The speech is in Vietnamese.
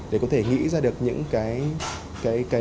để có thể nghĩ ra được những cái